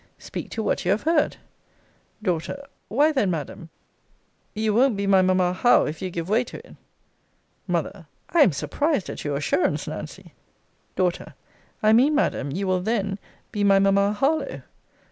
Speak to what you have heard. D. Why then, Madam you won't be my mamma HOWE, if you give way to it. M. I am surprised at your assurance, Nancy! D. I mean, Madam, you will then be my mamma Harlowe.